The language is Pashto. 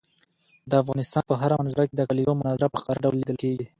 د افغانستان په هره منظره کې د کلیزو منظره په ښکاره ډول لیدل کېږي.